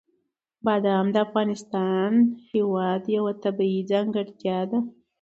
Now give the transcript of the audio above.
بادام د افغانستان هېواد یوه طبیعي ځانګړتیا ده.